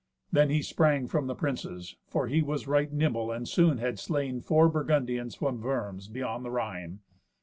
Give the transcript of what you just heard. Then he sprang from the princes, for he was right nimble, and soon had slain four Burgundians from Worms beyond the Rhine.